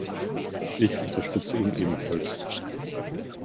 Ich unterstütze ihn ebenfalls.